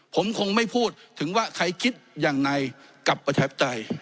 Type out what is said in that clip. ผมคงไม่พูดถึงว่าใครคิดยังไงกับประชาธิปไตย